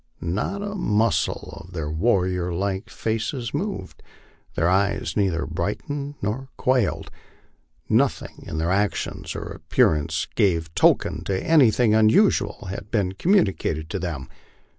Not a muscle of their warrior like faces moved. Their eyes neither brightened nor quailed ; nothing in their actions or appearance gave token that anything unusual had been communicated to them.